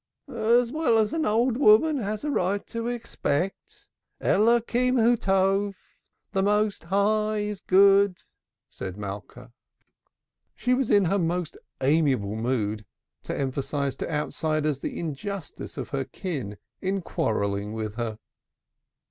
"As well as an old woman has a right to expect. The Most High is good!" Malka was in her most amiable mood, to emphasize to outsiders the injustice of her kin in quarrelling with her.